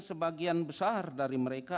sebagian besar dari mereka